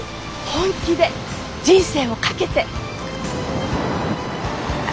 本気で人生を懸けて。